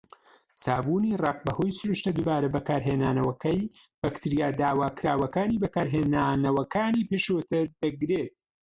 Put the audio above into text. سابوونی ڕەق، بەهۆی سروشتە دووبارە بەکارهێنانەوەکەی، بەکتریا داواکراوەکانی بەکارهێنەرەکانی پێشووتر دەگرێت.